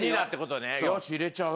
よし入れちゃおう。